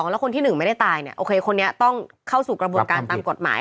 แล้วคนที่หนึ่งไม่ได้ตายเนี่ยโอเคคนนี้ต้องเข้าสู่กระบวนการตามกฎหมาย